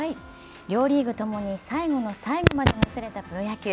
両リーグ共に最後の最後までもつれたプロ野球。